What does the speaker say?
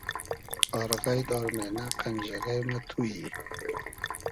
آر غݷد آر مېنۂ قئنجیغې مۂ تو یی